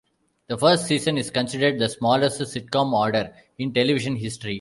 The first season is considered the smallest sitcom order in television history.